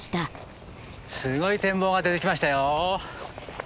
すごい展望が出てきましたよ。